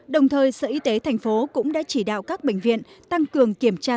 đồng thời sở y tế thành phố cũng đã chỉ đạo các bệnh viện tăng cường kiểm tra